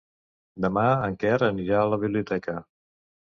Demà en Quer anirà a la biblioteca.